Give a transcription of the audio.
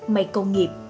máy công nghiệp